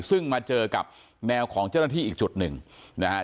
ซึ่งมาเจอกับแนวของเจ้าหน้าที่อีกจุดหนึ่งนะฮะ